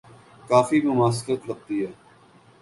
کافی مماثلت لگتی ہے۔